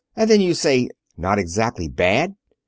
And then you say, 'Not exactly bad'!"